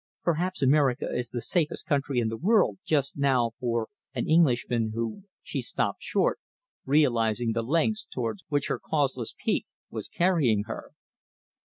"Perhaps America is the safest country in the world just now for an Englishman who " She stopped short, realising the lengths towards which her causeless pique was carrying her.